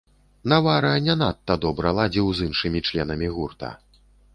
Навара не надта добра ладзіў з іншымі членамі гурта.